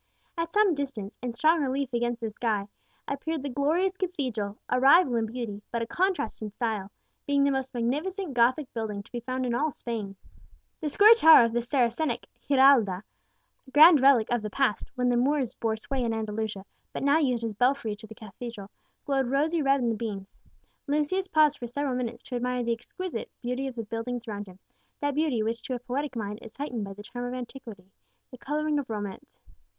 At some distance, in strong relief against the sky, appeared the glorious Cathedral, a rival in beauty, but a contrast in style, being the most magnificent Gothic building to be found in all Spain. The square tower of the Saracenic Giralda grand relic of the past when the Moors bore sway in Andalusia, but now used as belfry to the Cathedral glowed rosy red in the beams. Lucius paused for several minutes to admire the exquisite beauty of the buildings around him, that beauty which to a poetic mind is heightened by the charm of antiquity, the colouring of romance.